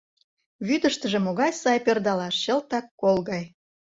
Вӱдыштыжӧ могай сай пӧрдалаш чылтак кол гай.